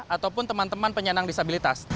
ataupun teman teman penyandang disabilitas